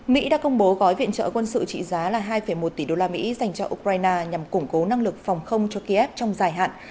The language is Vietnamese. mỹ đã công bố gói viện trợ quân sự trị giá là hai một tỷ đô la mỹ dành cho ukraine nhằm củng cố năng lực phòng không cho kiev trong dài hạn